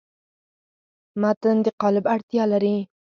متن د قالب اړتیا لري.